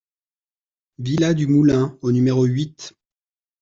Villa du Moulin au numéro huit